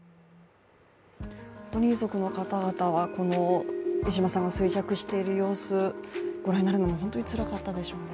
本当に遺族の方々は、このウィシュマさんが衰弱している様子ご覧になるのも本当につらかったでしょうね。